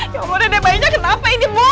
ya allah dede bayinya kenapa ini bu